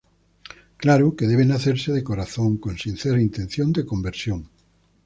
Claro que deben hacerse de corazón, con sincera intención de conversión.